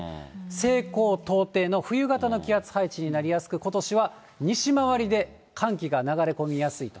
西高東低の冬型の気圧配置になりやすく、ことしは西回りで寒気が流れ込みやすいと。